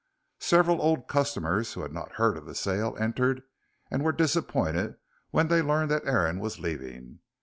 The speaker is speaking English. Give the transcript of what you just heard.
Several old customers who had not heard of the sale entered, and were disappointed when they learned that Aaron was leaving.